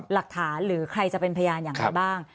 หลักฐานหรือใครจะเป็นพยานอย่างไรบ้าง